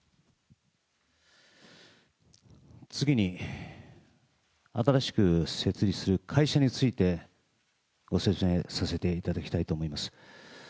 次に新しく設立する会社について、ご説明させていただきたいと思います。